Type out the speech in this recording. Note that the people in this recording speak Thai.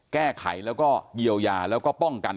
แก้ไขแล้วก็เยียวยาแล้วก็ป้องกัน